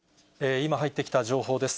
今入ってきた情報です。